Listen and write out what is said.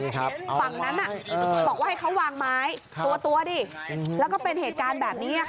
ฝั่งนั้นบอกว่าให้เขาวางไม้ตัวดิแล้วก็เป็นเหตุการณ์แบบนี้